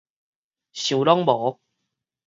想攏無